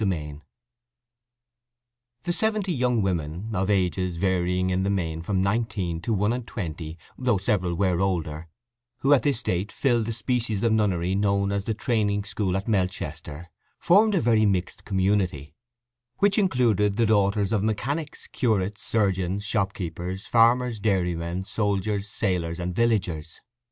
III The seventy young women, of ages varying in the main from nineteen to one and twenty, though several were older, who at this date filled the species of nunnery known as the Training School at Melchester, formed a very mixed community, which included the daughters of mechanics, curates, surgeons, shopkeepers, farmers, dairy men, soldiers, sailors, and villagers.